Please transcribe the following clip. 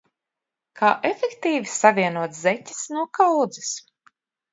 Kā efektīvi savienot zeķes no kaudzes?